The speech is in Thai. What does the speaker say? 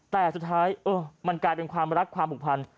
แต่สุดท้ายมันกลายเป็นความรักความผูกพัน